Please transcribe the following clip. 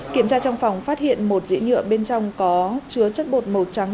kiểm tra trong phòng phát hiện một dĩ nhựa bên trong có chứa chất bột màu trắng